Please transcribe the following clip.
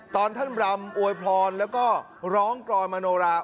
ตอนท่านรำอวยพรแล้วก็ร้องกรอยมโนราม